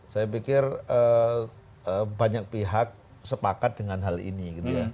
saya pikir banyak pihak sepakat dengan hal ini